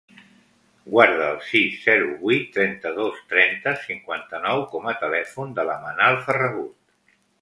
Guarda el sis, zero, vuit, trenta-dos, trenta, cinquanta-nou com a telèfon de la Manal Ferragut.